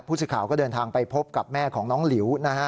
ผู้สื่อข่าวก็เดินทางไปพบกับแม่ของน้องหลิวนะฮะ